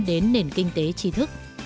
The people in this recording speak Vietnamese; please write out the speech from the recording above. đến nền kinh tế trí thức